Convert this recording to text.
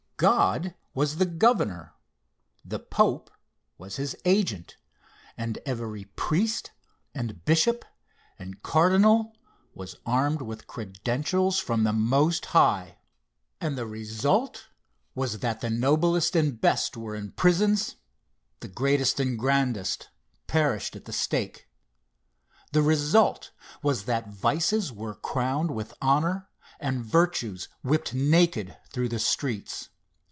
God was the Governor the pope was his agent, and every priest and bishop and cardinal was armed with credentials from the Most High and the result was that the noblest and best were in prisons, the greatest and grandest perished at the stake. The result was that vices were crowned with honor, and virtues whipped naked through the streets.